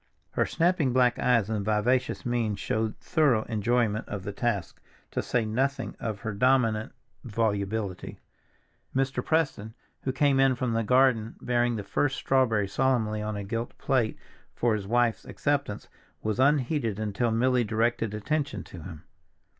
Her snapping black eyes and vivacious mien showed thorough enjoyment of the task, to say nothing of her dominant volubility. Mr. Preston, who came in from the garden bearing the first strawberry solemnly on a gilt plate for his wife's acceptance, was unheeded until Milly directed attention to him.